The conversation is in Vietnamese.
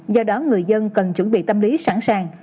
do đó người dân cần chuẩn bị tâm lý sẵn sàng